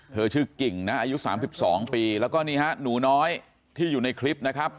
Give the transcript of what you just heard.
เธอชื่อกิ่งนะอายุ๓๒ปีแล้วก็นี่ฮะหนูน้อยที่อยู่ในคลิปนะครับ